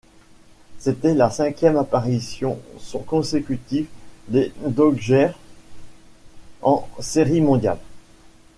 C'était la cinquième apparition consécutive des Dodgers en Série mondiale.